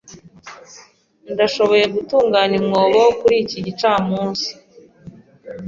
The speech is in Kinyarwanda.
Ndashoboye gutunganya umwobo kuri iki gicamunsi.